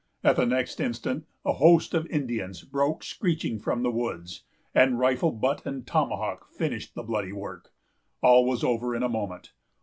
At the next instant, a host of Indians broke screeching from the woods, and rifle butt and tomahawk finished the bloody work. All was over in a moment.